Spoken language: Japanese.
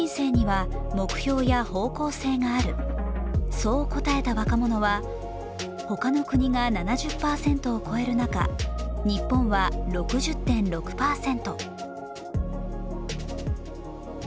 そう答えた若者は他の国が７０％を超える中日本は６０．６％。